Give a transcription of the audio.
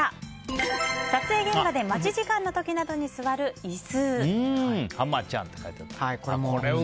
撮影現場で待ち時間の時などに座る椅子。